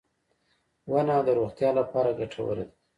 • ونه د روغتیا لپاره ګټوره ده.